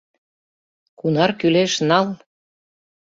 Кунар кӱлеш, нал!